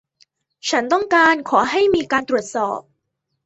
ฉันต้องการขอให้มีการตรวจสอบ